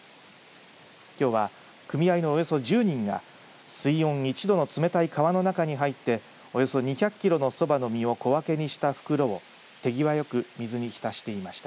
きょうは組合のおよそ１０人が水温１度の冷たい川の中に入っておよそ２００キロのそばの実を小分けにした袋を手際よく水に浸していました。